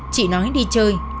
chị nói đi chơi